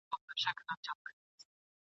هره شپه د یوه بل خوب ته ورتللو !.